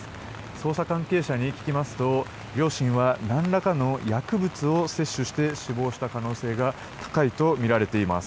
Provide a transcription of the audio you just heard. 捜査関係者に聞きますと両親は何らかの薬物を摂取して死亡した可能性が高いとみられています。